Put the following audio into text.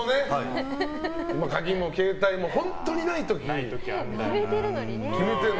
鍵も携帯も本当にない時がある。